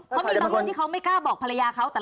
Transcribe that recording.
คุณเอกวีสนิทกับเจ้าแม็กซ์แค่ไหนคะ